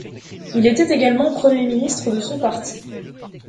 Il était également premier ministre de son parti.